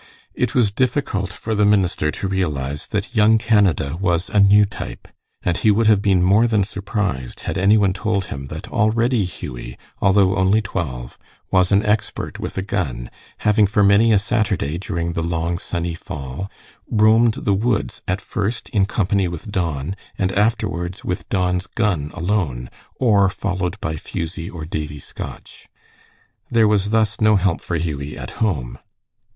It was difficult for the minister to realize that young Canada was a new type, and he would have been more than surprised had any one told him that already Hughie, although only twelve, was an expert with a gun, having for many a Saturday during the long, sunny fall roamed the woods, at first in company with Don, and afterwards with Don's gun alone, or followed by Fusie or Davie Scotch. There was thus no help for Hughie at home.